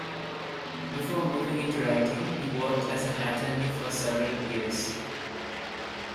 Before moving into writing, he worked as an attorney for several years.